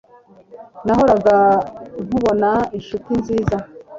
Nahoraga nkubona inshuti nziza.